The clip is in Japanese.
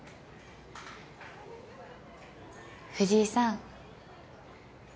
藤井さん。